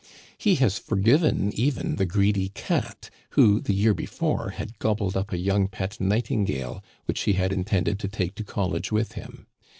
He has forgiven even the greedy cat who, the year be fore, had gobbled up a young pet nightingale which he had intended to take to college with him.